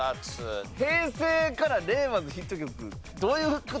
平成から令和のヒット曲どういう事？